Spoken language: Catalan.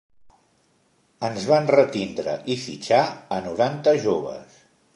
Ens van retindre i fitxar a noranta joves.